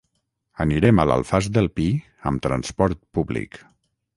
Anirem a l'Alfàs del Pi amb transport públic.